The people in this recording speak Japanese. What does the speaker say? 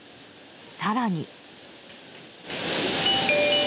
更に。